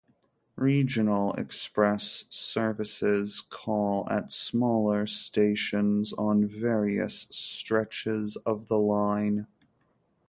Regional Express services call at smaller stations on various stretches of the line.